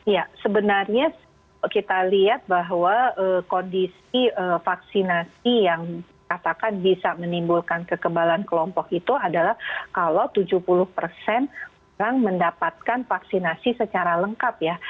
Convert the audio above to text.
ya sebenarnya kita lihat bahwa kondisi vaksinasi yang katakan bisa menimbulkan kekebalan kelompok itu adalah kalau tujuh puluh persen orang mendapatkan vaksinasi secara lengkap ya